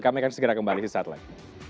kami akan segera kembali di saat lain